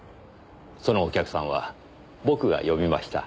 そのお客さんは僕が呼びました。